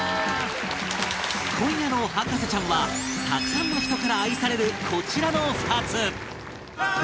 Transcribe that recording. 今夜の『博士ちゃん』はたくさんの人から愛されるこちらの２つ